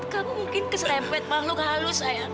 kamu mungkin keserempet makhluk halus ayah